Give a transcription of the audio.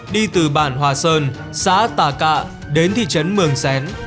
đi từ bản hòa sơn xã tà cạ đến thị trấn mường xén